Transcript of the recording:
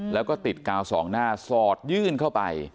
แล้วก็ติดกาวสองหน้าสอดยื่นเข้าไป